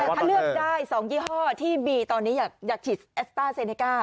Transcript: แต่ถ้าเลือกได้๒ยี่ห้อที่บีตอนนี้อยากฉีดแอสต้าเซเนก้า